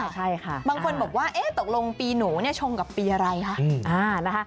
ใช่ค่ะบางคนบอกว่าตกลงปีหนูชงกับปีอะไรคะ